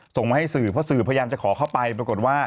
ส่งมาให้สื่อเพราะสื่อพยายามจะขอเข้าไปปรากฏว่า